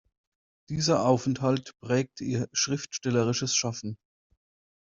Dieser Aufenthalt prägte ihr schriftstellerisches Schaffen.